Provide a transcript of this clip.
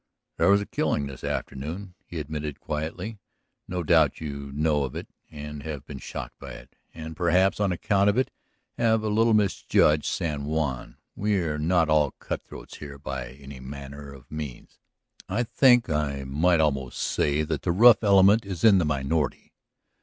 "There was a killing this afternoon," he admitted quietly. "No doubt you know of it and have been shocked by it, and perhaps on account of it have a little misjudged San Juan. We are not all cutthroats here, by any manner of means; I think I might almost say that the rough element is in the minority.